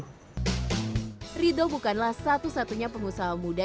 rido bukanlah satu satunya pengusaha muda